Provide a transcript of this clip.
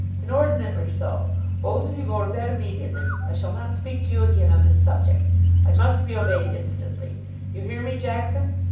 Inordinately so. Both of you go to bed immediately. I shall not speak to you again on this subject. I must be obeyed instantly. You hear me, Jackson?